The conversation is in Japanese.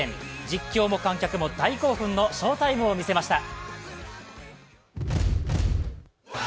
実況も観客も大興奮の翔タイムを見せました。